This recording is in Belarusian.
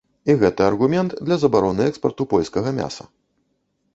І гэта аргумент для забароны экспарту польскага мяса.